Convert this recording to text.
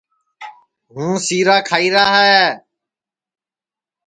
ہُوں سیرا کھائیرا ہے